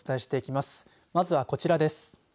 まずはこちらです。